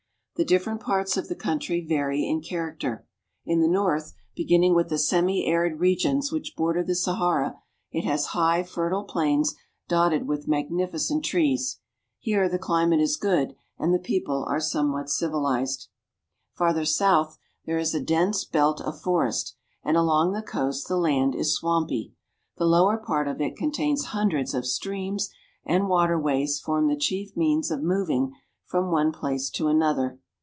The different parts of the country vary in character. In the north, beginning with the semi arid regions which border the Sahara, it has high, fertile plains dotted with magnificent trees. Here the climate is good, and the people are somewhat civilized. Farther south there is a dense belt of forest, and along the coast the land is swampy. The lower part of it con tains hundreds of streams, and water ways form the chief means of moving from one place to another.